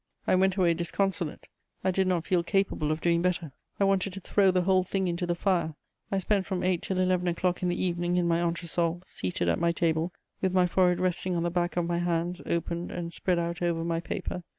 I went away disconsolate; I did not feel capable of doing better. I wanted to throw the whole thing into the fire; I spent from eight till eleven o'clock in the evening in my entresol, seated at my table, with my forehead resting on the back of my hands opened and spread out over my paper.